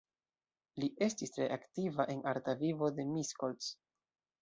Li estis tre aktiva en arta vivo de Miskolc.